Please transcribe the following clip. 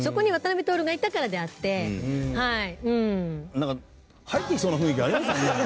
なんか入ってきそうな雰囲気ありますよね。